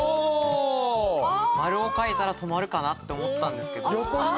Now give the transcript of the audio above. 丸を書いたら「止まる」かなって思ったんですけど。